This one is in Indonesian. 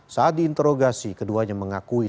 saat diinterogasi keduanya mengakui